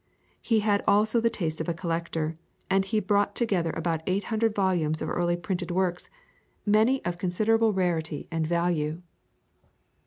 He had also the taste of a collector, and he brought together about eight hundred volumes of early printed works, many of considerable rarity and value.